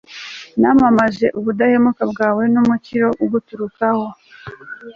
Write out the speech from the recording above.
namamaje ubudahemuka bwawe n'umukiro uguturukaho